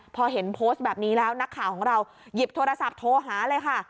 พอเห็นโพสต์แบบนี้แล้วนักข่าวของเราหยิบโทรศัพท์โทรหาเลยค่ะ